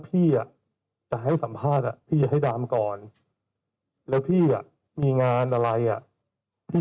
พี่จะให้สัมภาษณ์พี่ให้ดามก่อนแล้วพี่มีงานอะไรอ่ะพี่